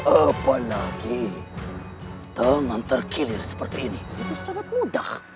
apa lagi tangan terkelir seperti ini itu sangat mudah